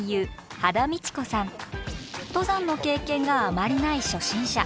登山の経験があまりない初心者。